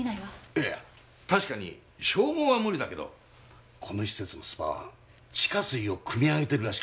いやいや確かに照合は無理だけどこの施設のスパは地下水をくみ上げてるらしくてね。